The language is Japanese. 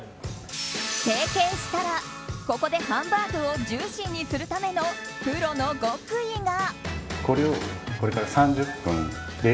成形したら、ここでハンバーグをジューシーにするためのプロの極意が。